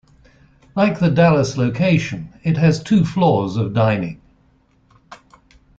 Like the Dallas location, it has two floors of dining.